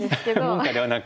文化ではなく？